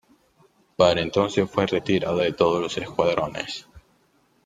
Para entonces, fue retirado de todos los escuadrones.